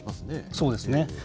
そうですね。